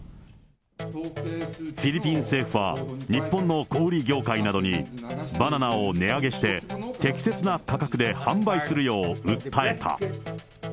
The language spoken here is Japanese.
フィリピン政府は、日本の小売り業界などにバナナを値上げして、適切な価格で販売するよう訴えた。